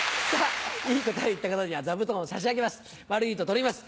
いい答えを言った方には座布団を差し上げます悪いと取ります。